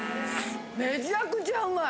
めちゃくちゃうまい！